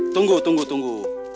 tunggu tunggu tunggu